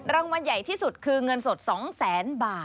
รางวัลใหญ่ที่สุดคือเงินสด๒แสนบาท